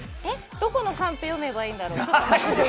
どこのカンペ読めばいいんだろう。